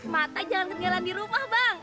mata jangan ketinggalan di rumah bang